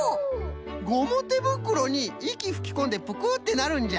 ゴムてぶくろにいきふきこんでプクッてなるんじゃ。